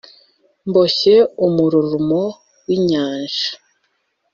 boshye umururumo w’inyanja,